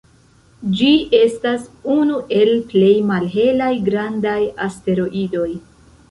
Ĝi estas unu el plej malhelaj grandaj asteroidoj.